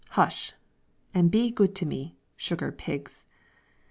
hush, and be good to me, sugar pigs!"